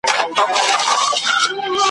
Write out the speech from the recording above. په دربار کي د زمري پاچا مېلمه سو ,